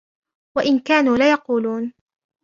وَإِنْ كَانُوا لَيَقُولُونَ